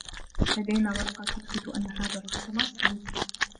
لدينا ورقة تثبت أن هذا الخاتم أصلي.